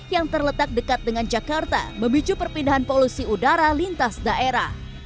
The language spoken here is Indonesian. yang terletak dekat dengan jakarta memicu perpindahan polusi udara lintas daerah